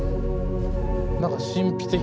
何か神秘的。